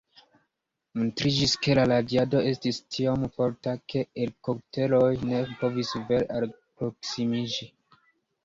Montriĝis, ke la radiado estis tiom forta, ke helikopteroj ne povis vere alproksimiĝi.